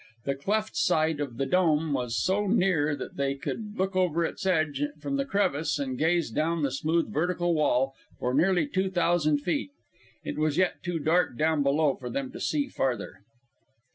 The cleft side of the Dome was so near that they could look over its edge from the crevice and gaze down the smooth, vertical wall for nearly two thousand feet. It was yet too dark down below for them to see farther.